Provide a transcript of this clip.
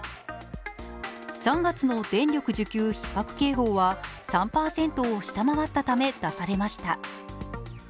３月の電力需給ひっ迫警報は３％を下回ったため出されました。